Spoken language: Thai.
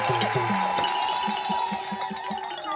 โอ้โอ้